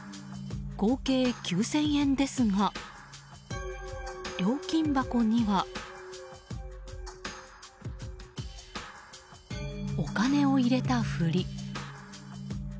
合計、９０００円ですが料金箱にはお金を入れたふり。